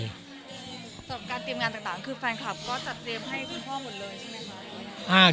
สำหรับการเตรียมงานต่างคือแฟนคลับก็จัดเตรียมให้คุณพ่อหมดเลยใช่ไหมคะ